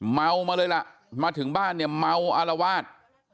เมามาเลยล่ะมาถึงบ้านเนี่ยเมาอารวาส